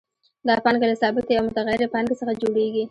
دا پانګه له ثابتې او متغیرې پانګې څخه جوړېږي